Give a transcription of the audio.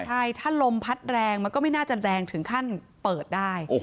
ใช่ถ้าลมพัดแรงมันก็ไม่น่าจะแรงถึงขั้นเปิดได้